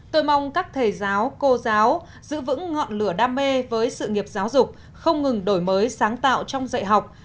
tôi mong các thầy giáo cô giáo giữ vững ngọn lửa đam mê với sự nghiệp giáo dục không ngừng đổi mới sáng tạo trong dạy học